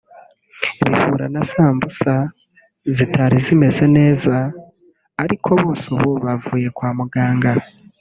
bihura na sambusa zitari zimeze neza ariko bose ubu bavuye kwa muganga